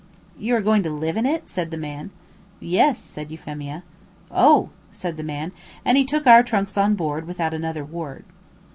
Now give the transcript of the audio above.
"You are going to live in it?" said the man. "Yes," said Euphemia. "Oh!" said the man, and he took our trunks on board, without another word.